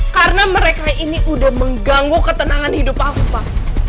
karena mereka ini udah mengganggu ketenangan hidup aku pak